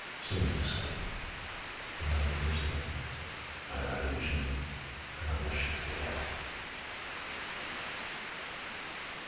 "Sing me to sleep," he murmured whimsically. "I have had a visioning, and I wish to forget."